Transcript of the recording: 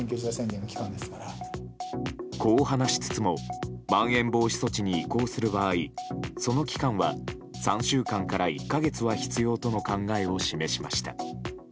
こう話しつつもまん延防止措置に移行する場合その期間は３週間から１か月は必要との考えを示しました。